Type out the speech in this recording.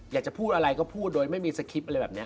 อยากจะพูดอะไรก็พูดโดยไม่มีสคริปต์อะไรแบบนี้